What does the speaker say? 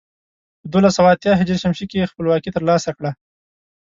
په دولس سوه اتيا ه ش کې خپلواکي تر لاسه کړه.